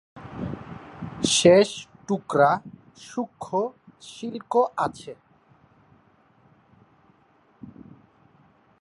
শেষ টুকরা সূক্ষ্ম সিল্ক আছে।